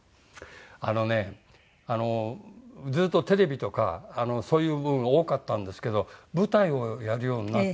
あのねあのずっとテレビとかそういう部分が多かったんですけど舞台をやるようになって。